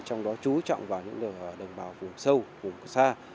trong đó trú trọng vào những đồng bào phủ sâu phủ xa